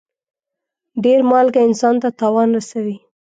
ډېر مالګه انسان ته تاوان رسوي.